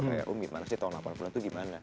kayak om gimana sih tahun delapan puluh an itu gimana